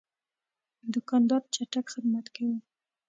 دوکاندار چټک خدمت کوي.